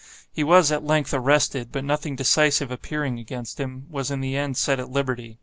He was at length arrested, but nothing decisive appearing against him, was in the end set at liberty.